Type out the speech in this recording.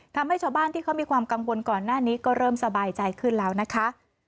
ทำให้ชาวบ้านที่เขามีความกังวลก่อนหน้านี้ก็เริ่มสบายใจขึ้นแล้วนะคะ